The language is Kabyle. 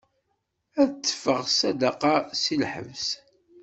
Ad d-teffeɣ ṣṣadaqa si lḥebs.